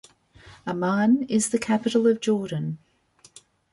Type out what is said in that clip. Amman is the capital of Jordan.